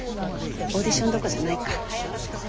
オーディションどころじゃないか。